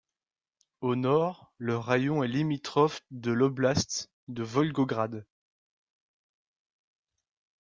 Au nord le raïon est limitrophe de l’oblast de Volgograd.